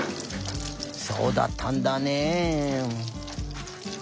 そうだったんだね。